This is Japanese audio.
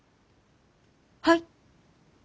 はい。